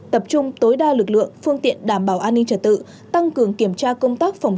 tập trung tối đa lực lượng phương tiện đảm bảo an ninh trật tự tăng cường kiểm tra công tác phòng